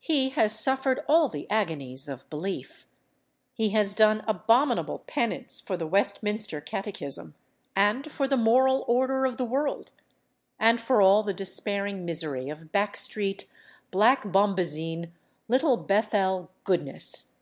He has suffered all the agonies of belief. He has done abominable penance for the Westminster Catechism, and for the moral order of the world, and for all the despairing misery of back street, black bombazine, Little Bethel goodness.